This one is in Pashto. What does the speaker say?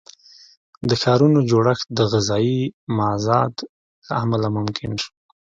د ښارونو جوړښت د غذایي مازاد له امله ممکن شو.